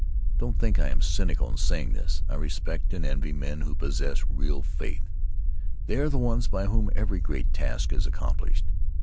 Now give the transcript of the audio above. Don't think I am cynical in saying this — I respect and envy men who possess real faith; they are the ones by whom every great task is accomplished.